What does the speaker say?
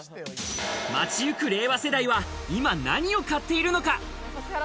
街行く令和世代は、今何を買っているのか？